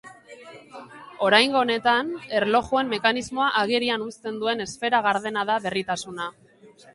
Oraingo honetan, erlojuen mekanismoa agerian uzten duen esfera gardena da berritasuna.